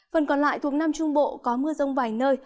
phần còn lại thuộc nam trung bộ có mưa rông vài nơi